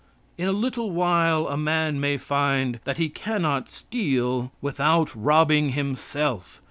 In a little while a man may find that he cannot steal without robbing himself.